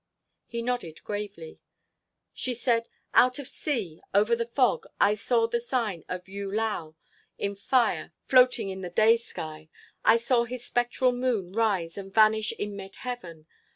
He nodded gravely. She said: "Out at sea, over the fog, I saw the sign of Yu lao in fire floating in the day sky. I saw his spectral moon rise and vanish in mid heaven.